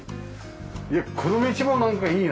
いやこの道もなんかいいな。